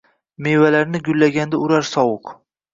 Mevalarni gullaganda urar sovuq